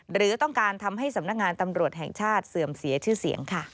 หรือต้องการทำให้สำนักงานตำรวจแห่งชาติเสื่อมเสียชื่อเสียงค่ะ